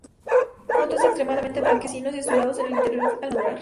Frutos externamente blanquecinos y azulados en el interior al madurar.